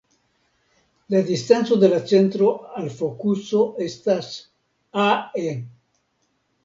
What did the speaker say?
La distanco de la centro al fokuso estas "ae".